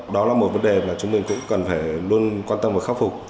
đó là một vấn đề mà chúng mình cũng cần phải luôn quan tâm và khắc phục